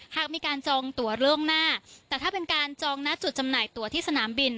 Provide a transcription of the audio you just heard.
หากมีการจองตัวล่วงหน้าแต่ถ้าเป็นการจองหน้าจุดจำหน่ายตัวที่สนามบิน